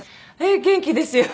元気ですよ。